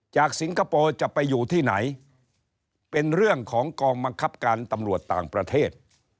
สิงคโปร์จะไปอยู่ที่ไหนเป็นเรื่องของกองบังคับการตำรวจต่างประเทศ